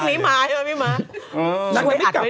พรุ่งนี้มาใช่ไหมพี่ม้า